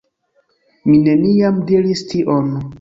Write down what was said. Mi neniam diris tion.